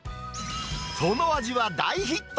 その味は大ヒット。